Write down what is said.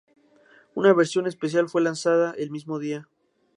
Una versión especial fue lanzada el mismo día.